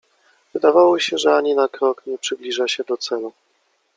Wydawało się, że ani na krok nie przybliżyła się do celu.